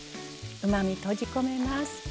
うまみ、閉じ込めます。